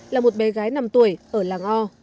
là một bé gái năm tuổi ở làng o